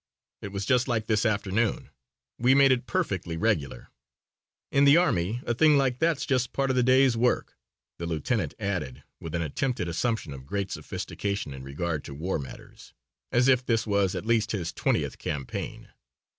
It was just like this afternoon. We made it perfectly regular." "In the army a thing like that's just part of the day's work," the lieutenant added, with an attempted assumption of great sophistication in regard to war matters, as if this was at least his twentieth campaign.